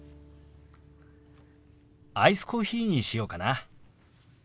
アイスコーヒーにしようかな。